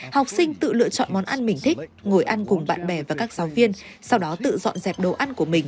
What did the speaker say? học sinh tự lựa chọn món ăn mình thích ngồi ăn cùng bạn bè và các giáo viên sau đó tự dọn dẹp đồ ăn của mình